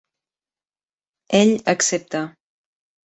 Ell accepta.